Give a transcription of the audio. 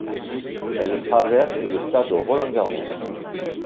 Elle traverse le stade Roland-Garros.